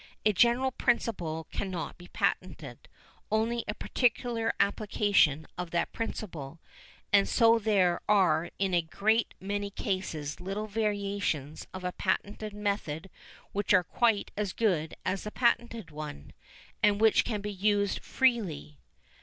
A general principle cannot be patented, only a particular application of that principle, and so there are in a great many cases little variations of a patented method which are quite as good as the patented one, and which can be used freely.